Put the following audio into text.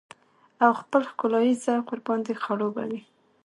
او خپل ښکلاييز ذوق ورباندې خړوبه وي.